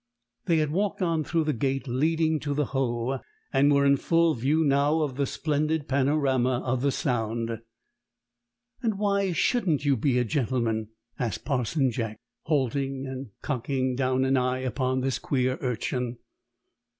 They had walked on through the gate leading to the Hoe, and were in full view now of the splendid panorama of the Sound. "And why shouldn't you be a gentleman?" asked Parson Jack, halting and cocking down an eye upon this queer urchin.